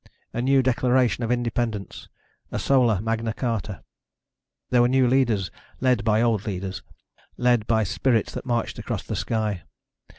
A new declaration of independence. A Solar Magna Carta. There were new leaders, led by the old leaders. Led by spirits that marched across the sky.